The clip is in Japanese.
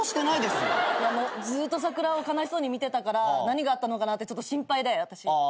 ずーっと桜を悲しそうに見てたから何があったのかなって心配で私。